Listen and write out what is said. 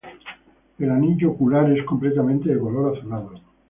El anillo ocular es completamente de color azulado.